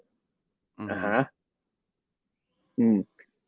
อืม